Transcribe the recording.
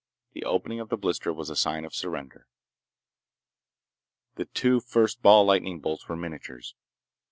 The opening of the blister was a sign of surrender. The two first ball lightning bolts were miniatures.